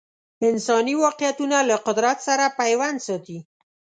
انسان واقعیتونه له قدرت سره پیوند ساتي